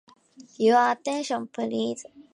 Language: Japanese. Your attention, please.